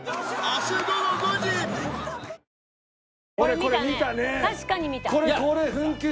これ見たね。